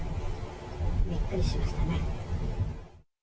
びっくりしましたね。